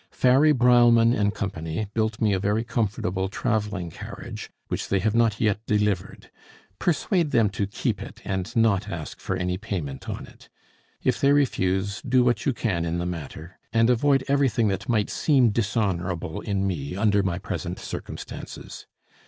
Farry, Breilmann, & Co. built me a very comfortable travelling carriage, which they have not yet delivered; persuade them to keep it and not ask for any payment on it. If they refuse, do what you can in the matter, and avoid everything that might seem dishonorable in me under my present circumstances.